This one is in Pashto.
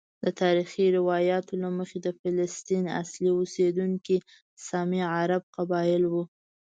د تاریخي روایاتو له مخې د فلسطین اصلي اوسیدونکي سامي عرب قبائل وو.